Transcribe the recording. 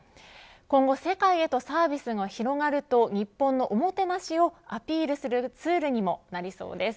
今後世界へとサービスが広がると日本のおもてなしをアピールするツールにもなりそうです。